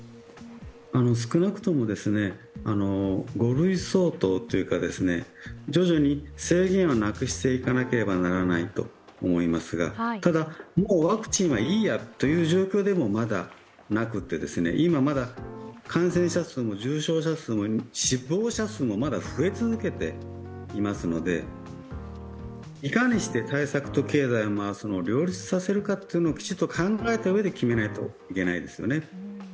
少なくとも５類相当というか徐々に制限はなくしていかなければならないと思いますがただ、もうワクチンはいいやという状況では、まだなくて、今まだ感染者数も重症者数も死亡者数も増え続けていますので、いかにして対策と経済を回すのを両立させるかというのをきちっと考えたうえで決めないといけないですよね。